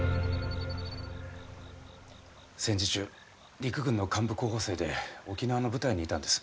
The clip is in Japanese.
戦時中陸軍の幹部候補生で沖縄の部隊にいたんです。